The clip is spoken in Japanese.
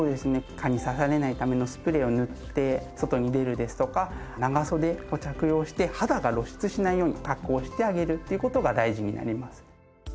蚊に刺されないためのスプレーを塗って外に出るですとか長袖を着用して肌が露出しないような格好をしてあげるっていう事が大事になります。